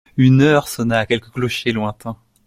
Une heure sonna à quelque clocher lointain.